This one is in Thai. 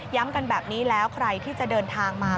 กันแบบนี้แล้วใครที่จะเดินทางมา